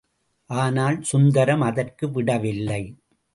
ஆனால் சுந்தரம் அதற்கு விடவில்லை.